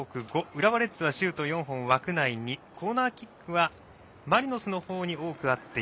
浦和レッズはシュートが多く枠内２コーナーキックはマリノスのほうに多くあって４。